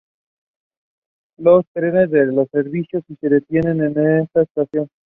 Los trenes de los servicios y se detienen en esta estación.